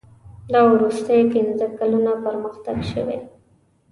دا وروستي پنځه کلونه پرمختګ شوی.